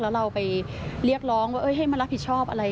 แล้วเราไปเรียกร้องว่าให้มารับผิดชอบอะไร